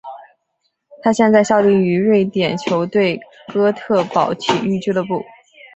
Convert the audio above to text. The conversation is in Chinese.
他现在效力于瑞典球队哥特堡体育俱乐部。